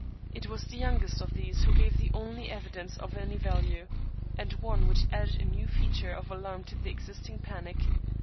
It Wa^ the youngest of these who gave the only evidence of any value, and one which added a new feature of alarm to the existing panic.